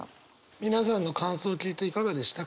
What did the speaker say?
皆さんの感想を聞いていかがでした？